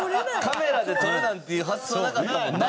カメラで撮るなんていう発想なかったもんな。